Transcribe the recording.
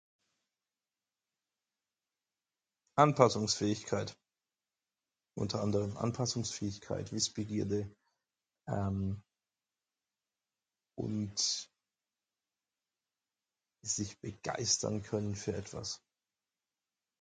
Anpassungsfähigkeit, unter anderem Anpassungsfähigkeit, Wissbegierde ehm und sich begeistern können für etwas.